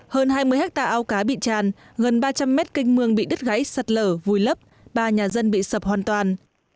hơn hai mươi hectare ao cá bị tràn gần ba trăm linh mét kinh mương bị đứt gáy sật lở vùi lấp ba nhà dân bị sập hoàn toàn